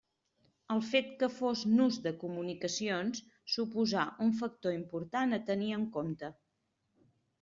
El fet que fos nus de comunicacions suposà un factor important a tenir en compte.